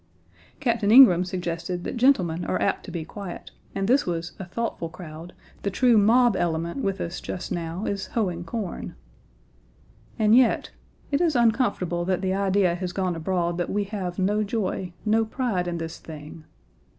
Captain Ingraham suggested that gentlemen "are apt to be quiet," and this was "a thoughtful crowd, the true mob element with us just now is hoeing corn." And yet! It is uncomfortable that the idea has gone abroad that we have no joy, no pride, in this thing.